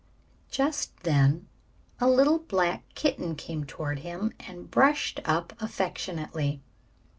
Just then a little black kitten came toward him and brushed up affectionately.